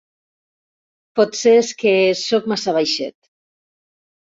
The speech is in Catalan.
Potser és que sóc massa baixet.